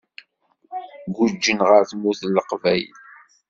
Guǧǧen ɣer Tmurt n Leqbayel.